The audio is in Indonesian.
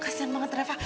kasian banget treva